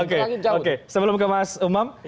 oke sebelum ke mas umam